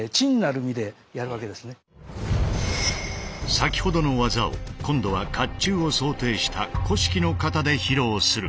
先ほどの技を今度は甲冑を想定した古式の型で披露する。